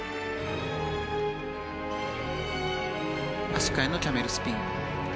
足換えのキャメルスピン。